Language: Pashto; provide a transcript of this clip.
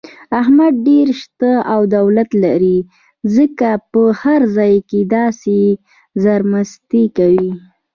احمد ډېر شته او دولت لري، ځکه په هر ځای کې داسې زرمستي کوي.